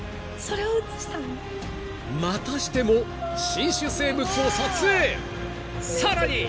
［またしても新種生物を撮影！］